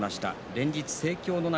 連日盛況の中